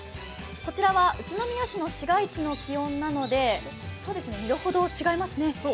こちらは宇都宮市の市街地の気温なので、２度ほど違いますね。